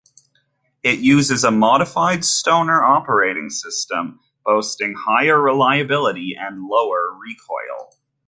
It uses a modified Stoner operating system, boasting higher reliability and lower recoil.